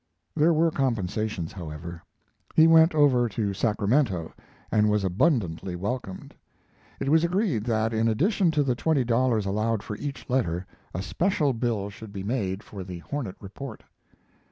There were compensations, however. He went over to Sacramento, and was abundantly welcomed. It was agreed that, in addition to the twenty dollars allowed for each letter, a special bill should be made for the Hornet report.